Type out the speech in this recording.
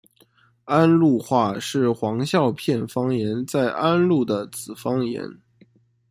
安陆话是黄孝片方言在安陆的子方言。